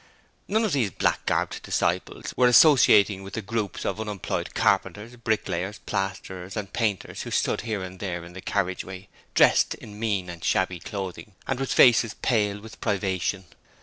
None of these black garbed 'disciples' were associating with the groups of unemployed carpenters, bricklayers, plasterers, and painters who stood here and there in the carriage way dressed in mean and shabby clothing and with faces pale with privation.